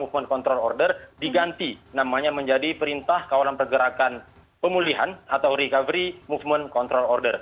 movement control order diganti namanya menjadi perintah kawanan pergerakan pemulihan atau recovery movement control order